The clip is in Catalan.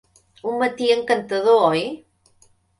Un matí encantador, oi?